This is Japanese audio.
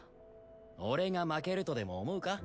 俺が負けるとでも思うか？